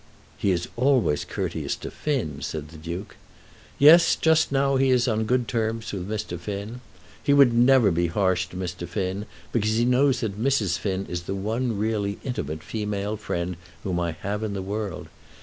"He is always courteous to Finn," said the Duke. "Yes; just now he is on good terms with Mr. Finn. He would never be harsh to Mr. Finn, because he knows that Mrs. Finn is the one really intimate female friend whom I have in the world.